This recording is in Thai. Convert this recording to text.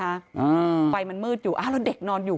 อ่าไฟมันมืดอยู่อ้าวแล้วเด็กนอนอยู่